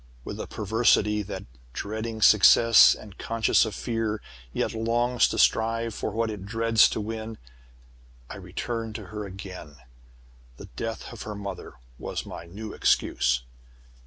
With a perversity that, dreading success, and conscious of fear, yet longs to strive for what it dreads to win, I returned to her again. The death of her mother was my new excuse.